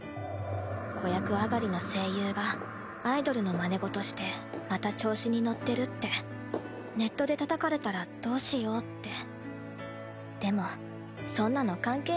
子役上がりの声優がアイドルのまね事してまた調子に乗ってるってネットでたたかれたらどうしようって。